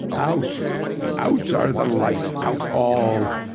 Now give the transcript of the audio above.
Out—out are the lights—out all!